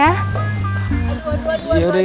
aduh aduh aduh aduh